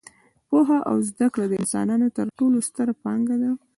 پوهه او زده کړه د انسانانو تر ټولو ستره پانګه ده.